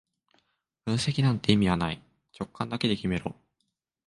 分析なんて意味はない、直感だけで決めろ